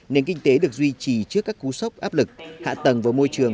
nền kinh tế được duy trì trước các cú sốc áp lực hạ tầng và môi trường